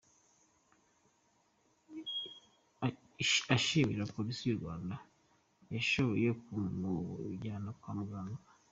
Ashimira Polisi y’u Rwanda yashoboye no kumujyana kwa muganga.